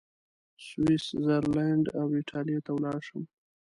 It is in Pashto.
سویس زرلینډ او ایټالیې ته ولاړ شم.